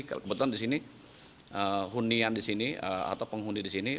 kebetulan di sini hunian di sini atau penghuni di sini